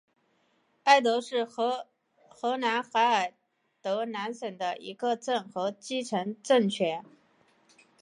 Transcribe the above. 埃德是荷兰海尔德兰省的一个镇和基层政权。